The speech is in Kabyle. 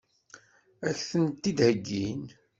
Ad k-tent-id-heggin?